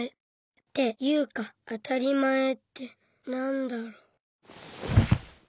っていうか「あたりまえ」ってなんだろ。